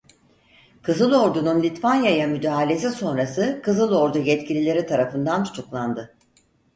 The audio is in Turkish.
Kızıl Ordu'nun Litvanya'ya müdahalesi sonrası Kızıl Ordu yetkilileri tarafından tutuklandı.